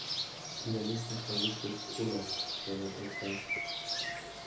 In der nächsten Folge stirbt Olaf, spoilert Edgar.